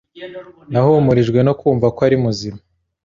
Nahumurijwe no kumva ko ari muzima.